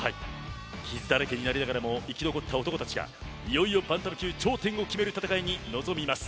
傷だらけになりながらも生き残った男たちがいよいよバンタム級頂点を決める戦いに臨みます。